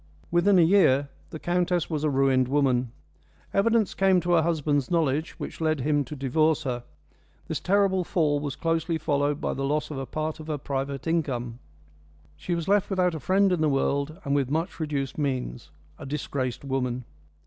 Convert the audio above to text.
Within a year the countess was a ruined woman. Evidence came to her husband's knowledge which led him to divorce her. This terrible fall was closely followed by the loss of a part of her private income. She was left without a friend in the world and with much reduced means a disgraced woman.